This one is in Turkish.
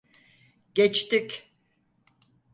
Geçtik.